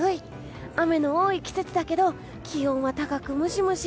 雨の多い季節だけど気温は高く、ムシムシ。